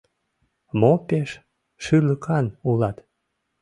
— Мо пеш шӱлыкан улат?